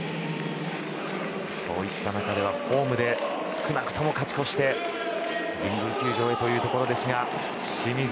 そういった中ではホームで少なくとも勝ち越して神宮球場へというところですが。